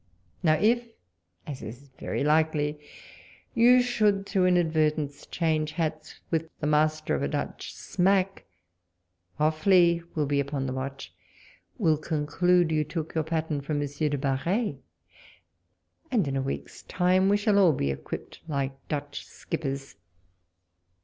Now if, as is very likely, you should through inadvertence change hats with a master of a Dutch smack, OjBBey will be upon the watch, will conclude you took your pattern from M. de Bareil, and in a week's time we shall all be equipped like Dutch skippers.